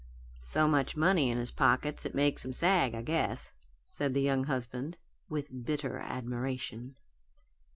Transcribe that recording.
"So much money in his pockets it makes him sag, I guess," said the young husband, with bitter admiration.